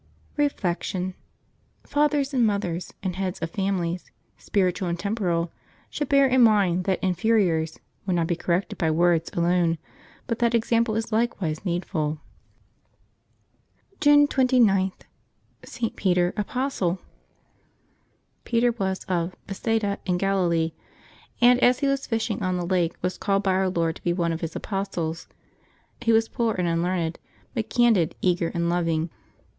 Reflection. — Fathers and mothers, and heads of fami lies, spiritual and temporal, should bear in mind that in feriors "will not be corrected by words" alone, but that example is likewise needful. June 29.— ST. PETER, Apostle. QETER was of Bethsaida in Galilee, and as he was fish ing on the lake was called by Our Lord to be one of His apostles. He was poor and unlearned, but candid, eager, and loving.